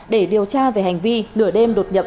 để điều tra về hành vi nửa đêm đột nhập